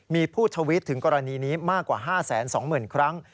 มีผู้ทวิตถึงกรณีนี้มากกว่า๕๒๐๐๐ครั้ง